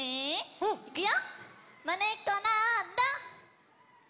うん！いくよ。